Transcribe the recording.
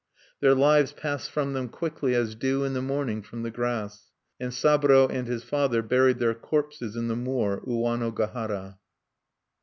Their lives passed from them quickly as dew in the morning from the grass. And Saburo and his father buried their corpses in the moor Uwanogahara.